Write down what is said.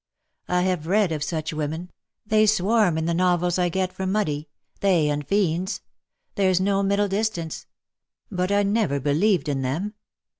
I have read of such women — they swarm in the novels I get from Mudie — they and fiends. There^s no middle distance. But I never believed in them.